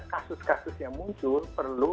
kasus kasus yang muncul perlu